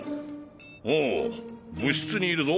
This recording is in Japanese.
おう部室にいるぞ。